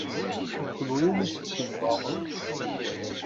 D kenwi umi tt-id-ssewweɣ.